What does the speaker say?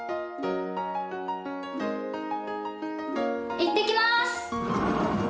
行ってきます！